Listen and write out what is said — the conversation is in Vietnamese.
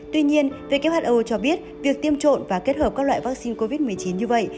tuy nhiên who cho biết việc tiêm trộn và kết hợp các loại vaccine covid một mươi chín như vậy